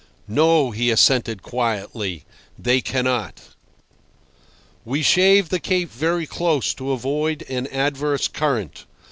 "No," he assented quietly, "they cannot." We shaved the Cape very close to avoid an adverse current.